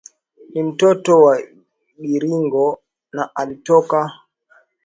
ni mototo wa Girango na alitoka KitgumUganda na akatembea mpaka Karachuonyo Na hapo